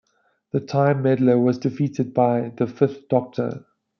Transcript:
The Time Meddler was defeated by the Fifth Doctor.